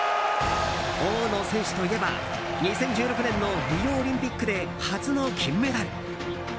大野選手といえば２０１６年のリオオリンピックで初の金メダル。